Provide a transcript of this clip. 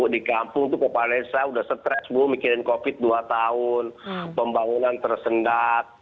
di kampung itu kepala desa udah stres bu mikirin covid dua tahun pembangunan tersendat